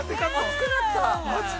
◆熱くなった。